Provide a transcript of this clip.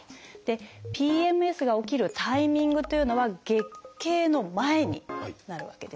ＰＭＳが起きるタイミングというのは月経の前になるわけですね。